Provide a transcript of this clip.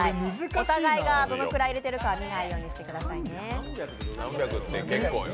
お互いがどのぐらい入れているか見ないようにしてくださいね。